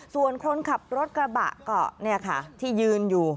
ส่วนคนขับรถกระบะแบบนี้ที่รจืนอยู่